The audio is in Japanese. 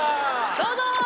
どうぞ！